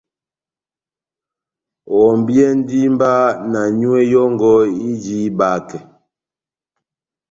Ohɔmbiyɛndi mba na nyúwɛ́ yɔ́ngɔ ijini ihibakɛ.